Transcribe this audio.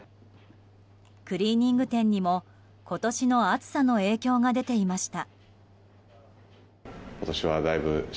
クリーニング店にも今年の暑さの影響が出ていました。